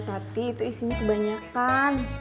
pak tati ini isinya kebanyakan